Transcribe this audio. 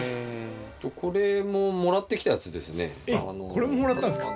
これももらったんですか？